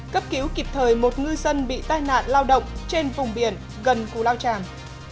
cấp cứu kịp thời một ngư dân bị tai nạn lao động trên vùng biển gần cú lao tràng